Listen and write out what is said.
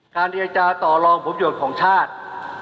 เจรจาต่อลองผลประโยชน์ของชาติ